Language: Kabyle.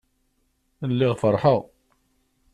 Lliɣ feṛḥeɣ.